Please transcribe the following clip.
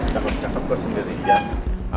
cakep cakep kau sendiri gak